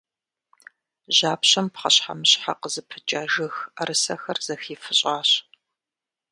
Жьапщэм пхъэщхьэмыщхьэ къызыпыкӏэ жыг ӏэрысэхэр зэхифыщӏащ.